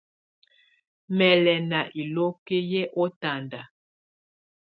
Mɛ́ lɛ́ ná iloki yɛ́ ɔtanda.